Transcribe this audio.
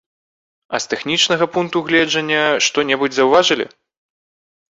А з тэхнічнага пункту гледжання што-небудзь заўважылі?